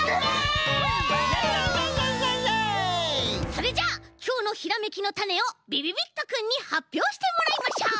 それじゃあきょうのひらめきのタネをびびびっとくんにはっぴょうしてもらいましょう。